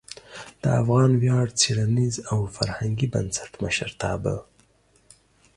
د افغان ویاړ څیړنیز او فرهنګي بنسټ مشرتابه